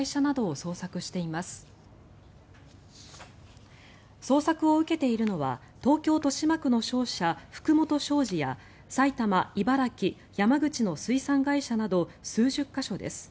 捜索を受けているのは東京・豊島区の商社、福元商事や埼玉、茨城、山口の水産会社など数十か所です。